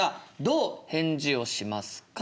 どう返事をしますか？